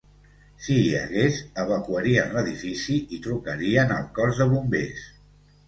Si hi hagués, evacuarien l'edifici i trucarien al cos de bombers.